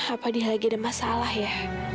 apa dia lagi ada masalah ya